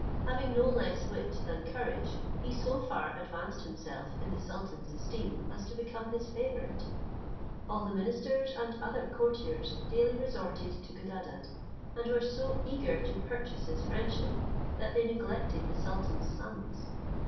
Having no less wit than courage, he so far advanced himself in the sultan's esteem, as to become his favourite. All the ministers and other courtiers daily resorted to Codadad, and were so eager to purchase his friendship, that they neglected the sultan's sons.